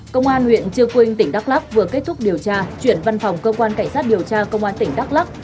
công an huyện chư quynh tỉnh đắk lắc vừa kết thúc điều tra chuyển văn phòng cơ quan cảnh sát điều tra công an tỉnh đắk lắc